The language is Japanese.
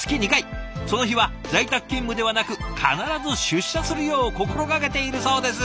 その日は在宅勤務ではなく必ず出社するよう心がけているそうです。